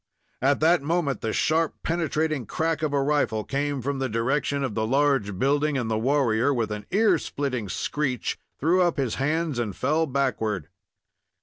At that moment, the sharp, penetrating crack of a rifle came from the direction of the large building, and the warrior, with an ear splitting screech, threw up his hands, and fell backward.